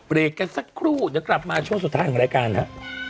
กันสักครู่เดี๋ยวกลับมาช่วงสุดท้ายของรายการฮะ